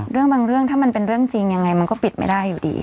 เรื่องบางเรื่องถ้ามันเป็นเรื่องจริงยังไงมันก็ปิดไม่ได้อยู่ดี